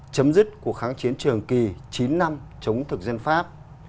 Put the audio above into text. chấm dứt cuộc kháng chiến trường kỳ chín năm chống thực dân pháp